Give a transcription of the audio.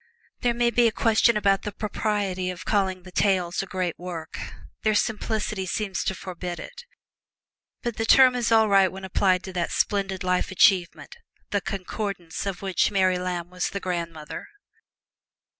There may be a question about the propriety of calling the "Tales" a great work their simplicity seems to forbid it but the term is all right when applied to that splendid life achievement, the "Concordance," of which Mary Lamb was the grandmother.